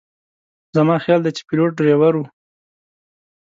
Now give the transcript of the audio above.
زما خیال دی چې پیلوټ ډریور و.